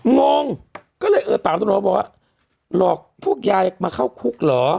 งงก็เลยเออตามตำรวจบอกว่าหลอกพวกยายมาเข้าคุกเหรอ